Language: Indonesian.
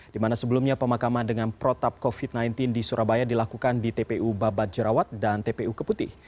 di mana sebelumnya pemakaman dengan protap covid sembilan belas di surabaya dilakukan di tpu babat jerawat dan tpu keputih